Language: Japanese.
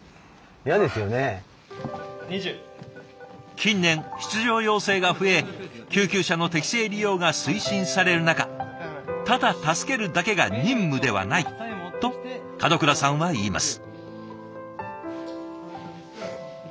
近年出場要請が増え救急車の適正利用が推進される中ただ助けるだけが任務ではないと門倉さんは言います。